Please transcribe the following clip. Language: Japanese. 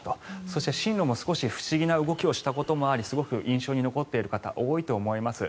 そして、進路も少し不思議な動きをしたこともありすごく印象に残っている方多いと思います。